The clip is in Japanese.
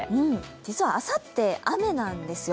実はあさって、雨なんですよ。